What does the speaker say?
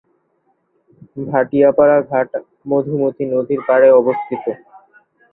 ভাটিয়াপাড়া ঘাট মধুমতি নদীর পাড়ে অবস্থিত।